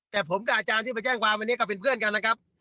แต่ผมกับอาจารย์ที่ไปแจ้งความวันนี้ก็เป็นเพื่อนกันนะครับ